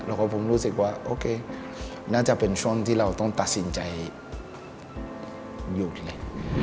แล้วก็ผมรู้สึกว่าโอเคน่าจะเป็นช่วงที่เราต้องตัดสินใจหยุดเลย